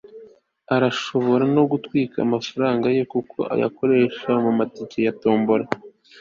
urashobora no gutwika amafaranga yawe nkuko uyakoresha mumatike ya tombola